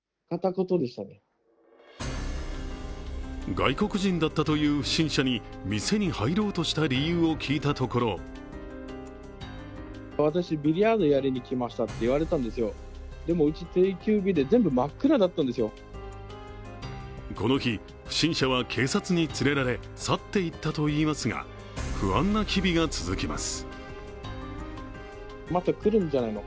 外国人だったという不審者に店に入ろうとした理由を聞いたところこの日、不審者は警察に連れられ、去って行ったといいますが、不安な日々が続きます。